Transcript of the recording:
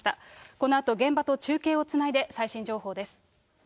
このあと現場と中継をつないで最新情報です。